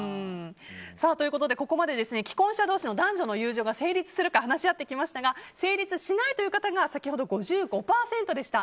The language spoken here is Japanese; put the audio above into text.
ここまで既婚者同士の男女の友情は成立するか話し合ってきましたが成立しないという方が先ほど５５％でした。